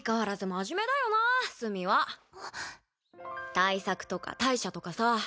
対策とか大赦とかさ